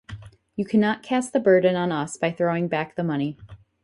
You cannot cast the burden on us by throwing back the money.